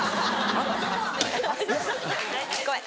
ごめん。